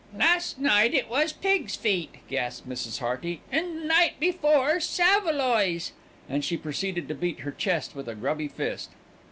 "Last night it was pig's feet," gasped Mrs. Hearty, "and the night before saveloys," and she proceeded to beat her chest with a grubby fist.